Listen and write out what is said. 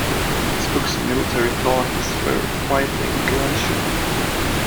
His books on military thought were widely influential.